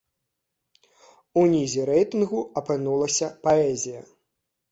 У нізе рэйтынгу апынулася паэзія.